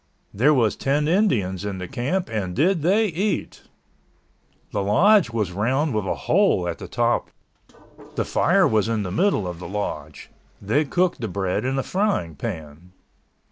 There was ten Indians in the camp and did they eat! The lodge was round with a hole at the top. The fire was in the middle of the lodge. They cooked the bread in a frying pan.